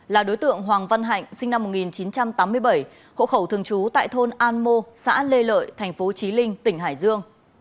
là đối tượng hoàng văn hạnh sinh năm một nghìn chín trăm tám mươi bảy hộ khẩu thường trú tại thôn an mô xã lê lợi thành phố trí linh tỉnh hải dương